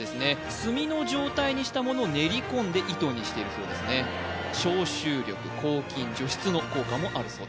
炭の状態にしたものを練り込んで糸にしているそうですね消臭力抗菌・除湿の効果もあるそうです